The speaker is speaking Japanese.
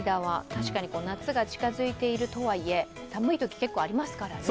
確かに夏が近づいているとはいえ、寒いとき、結構ありましたからね。